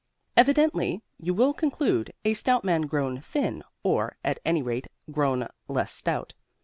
Evidently, you will conclude, a stout man grown thin; or, at any rate, grown less stout.